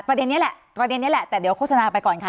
ประเด็นนี้แหละแต่เดี๋ยวโฆษณาไปก่อนค่ะ